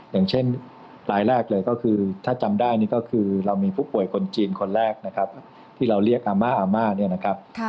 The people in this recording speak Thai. อย่างเช่นรายแรกเลยก็คือถ้าจำได้นี่ก็คือเรามีผู้ป่วยคนจีนคนแรกนะครับที่เราเรียกอาม่าอาม่าเนี่ยนะครับ